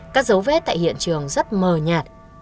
các dấu vết tại hiện trường rất mờ nhạt